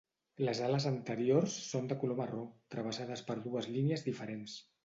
Les ales anteriors són de color marró, travessades per dues línies diferents.